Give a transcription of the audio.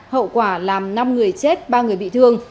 hậu quả làm năm người chết ba người bị thương